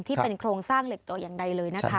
ที่เป็นโครงสร้างเหล็กเตาะอย่างใดเลยนะคะ